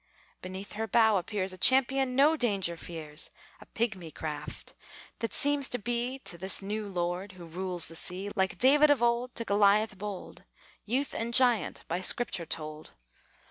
Beneath her bow appears A champion no danger fears; A pigmy craft, that seems to be To this new lord who rules the sea, Like David of old to Goliath bold Youth and giant, by Scripture told.